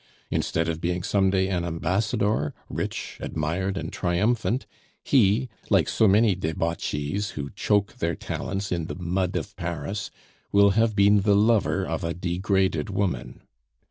Instead of being some day an ambassador, rich, admired and triumphant, he, like so many debauchees who choke their talents in the mud of Paris, will have been the lover of a degraded woman.